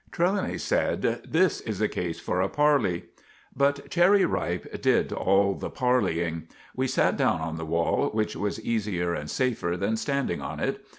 Trelawny said— "This is a case for a parley." But Cherry Ripe did all the parleying. We sat down on the wall, which was easier and safer than standing on it.